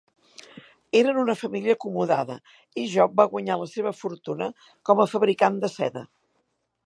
Eren una família acomodada i Job va guanyar la seva fortuna com a fabricant de seda.